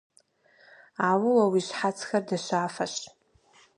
Ауэ уэ уи щхьэцхэр дыщафэщ.